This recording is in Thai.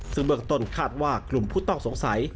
ซึ่งเบื้องต้นคาดว่ากลุ่มผู้ต้องสงสัย